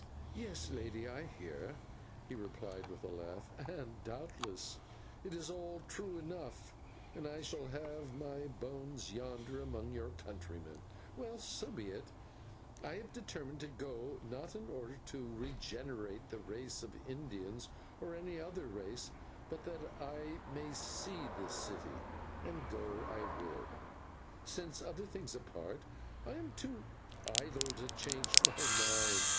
"Yes, Lady, I hear," he replied, with a laugh, "and doubtless it is all true enough, and I shall leave my bones yonder among your countrymen. Well, so be it, I have determined to go, not in order to regenerate the race of Indians or any other race, but that I may see this city; and go I will, since, other things apart, I am too idle to change my mind.